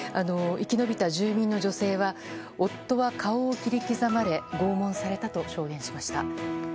生き延びた住民の女性は夫は顔を切り刻まれ拷問されたと証言しました。